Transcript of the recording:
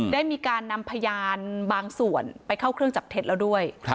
ได้มีการนำพยานบางส่วนไปเข้าเครื่องจับเท็จแล้วด้วย